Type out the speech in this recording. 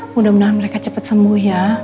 mudah mudahan mereka cepat sembuh ya